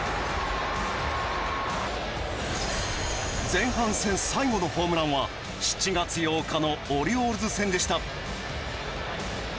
前半戦最後のホームランは７月８日のオリオールズ戦でした。